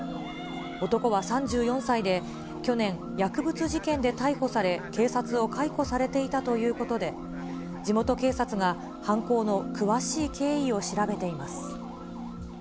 男は３４歳で、去年、薬物事件で逮捕され、警察を解雇されていたということで、地元警察が犯行の詳しい経緯を調べています。